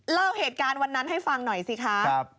เล่าเหตุการณ์วันนั้นให้ฟังหน่อยสิคะ